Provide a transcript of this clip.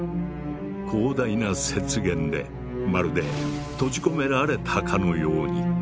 広大な雪原でまるで閉じ込められたかのように。